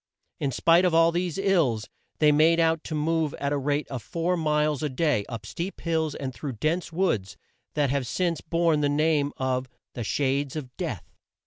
In spite of all these ills they made out to move at the rate of four miles a day, up steep hills, and through dense woods that have since borne the name of "The Shades of Death."